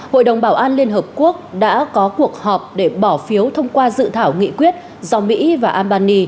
hội đồng bảo an liên hợp quốc đã có cuộc họp để bỏ phiếu thông qua dự thảo nghị quyết do mỹ và albany